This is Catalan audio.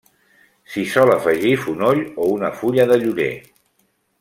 S'hi sol afegir fonoll o una fulla de llorer.